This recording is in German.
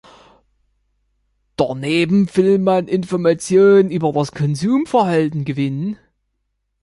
Daneben will man Informationen über das Konsumentenverhalten gewinnen.